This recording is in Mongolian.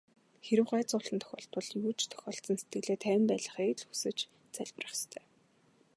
Хэрэв гай зовлон тохиолдвол юу ч тохиолдсон сэтгэлээ тайван байлгахыг л хүсэж залбирах ёстой.